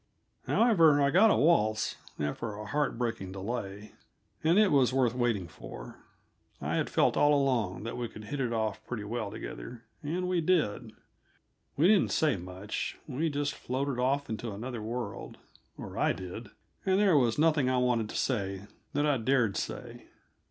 However, I got a waltz, after a heart breaking delay, and it was worth waiting for. I had felt all along that we could hit it off pretty well together, and we did. We didn't say much we just floated off into another world or I did and there was nothing I wanted to say that I dared say.